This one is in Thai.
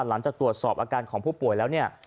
หลังจากตรวจสอบอาการของผู้ป่วยแล้วเนี่ย